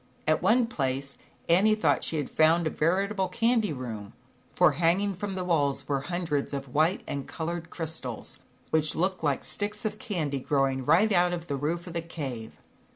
At one place Annie thought she had found a veritable candy room, for hang ing from the w 7 alls were hundreds of white and colored crystals, which looked like sticks of candy growing right out of the roof of the cave.